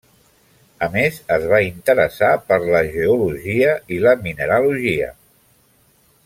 A més es va interessar per la geologia i la mineralogia.